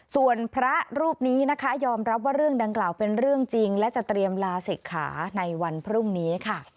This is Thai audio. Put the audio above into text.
ส่วนพระรูปนี้นะคะยอมรับว่าเรื่องดังกล่าวเป็นเรื่องจริงและจะเตรียมลาศิกขาในวันพรุ่งนี้ค่ะ